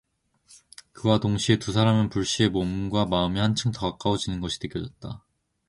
그와 동시에 두 사람은 불시에 몸과 마음이 더한층 가까워지는 것이 느껴졌다.